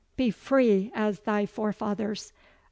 be free as thy forefathers.